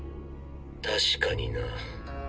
確かにな。